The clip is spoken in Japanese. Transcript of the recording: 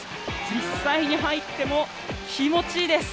実際に入っても気持ちいいです。